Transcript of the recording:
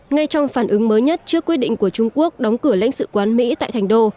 ngay trong phản ứng mới nhất trước quyết định của trung quốc đóng cửa lãnh sự quán mỹ tại thành đô